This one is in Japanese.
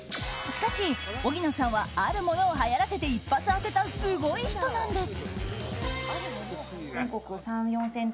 しかし、荻野さんはあるものをはやらせて一発当てたすごい人なんです。